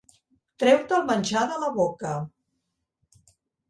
Treu-te el menjar de la boca.